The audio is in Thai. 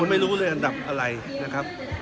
ไม่รู้เลยอันดับอะไรนะครับ